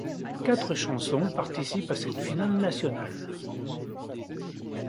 Quatre chansons participent à cette finale nationale.